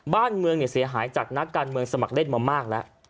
บ้านเมืองเสียหายจากนักการเมืองสมัครเล่นมามากแล้ว